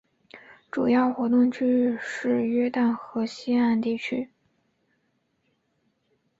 主要活动区域是约旦河西岸地区。